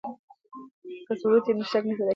که ثبوت وي نو شک نه پیدا کیږي.